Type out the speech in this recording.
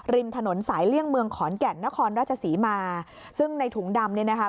ริมถนนสายเลี่ยงเมืองขอนแก่นนครราชศรีมาซึ่งในถุงดำเนี่ยนะคะ